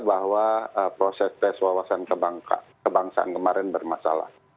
bahwa proses tes wawasan kebangsaan kemarin bermasalah